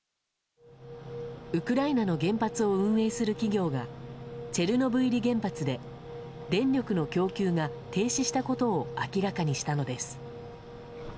ウクライナの原発を運営する企業がチェルノブイリ原発で電力の供給が停止したことを明らかにしたのです。